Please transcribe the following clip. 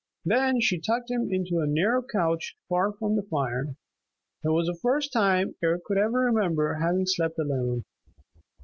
Then she tucked him into a narrow couch far from the fire. It was the first time Eric could ever remember having slept alone.